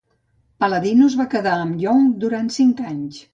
Palladino es va quedar amb Young durant cinc anys.